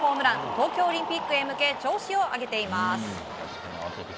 東京オリンピックへ向け調子を上げています。